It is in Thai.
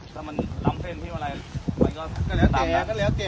ถ้ามันล้ำเฟ่นพี่เมื่อไหร่มันก็ก็แล้วแต่ก็แล้วแต่